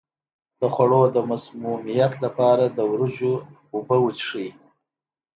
د خوړو د مسمومیت لپاره د وریجو اوبه وڅښئ